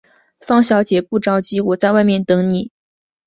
方小姐，不着急，我在外面等妳。